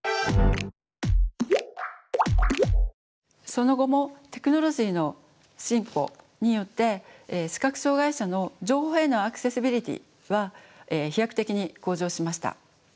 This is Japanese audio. その後もテクノロジーの進歩によって視覚障害者の情報へのアクセシビリティーは飛躍的に向上しました。